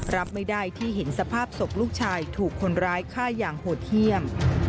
รับไม่ได้ที่เห็นสภาพศพลูกชายถูกคนร้ายฆ่าอย่างโหดเยี่ยม